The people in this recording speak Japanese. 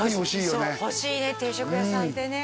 そう欲しいね定食屋さんってね